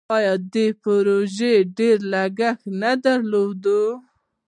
آیا دې پروژې ډیر لګښت نه درلود؟